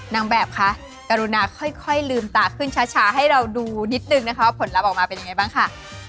นางแบบคะกรุณาค่อยลืมตาขึ้นช้าให้เราดูนิดนึงนะคะว่าผลลัพธ์ออกมาเป็นยังไงบ้างค่ะ